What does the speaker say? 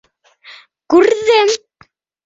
— Күрҙем...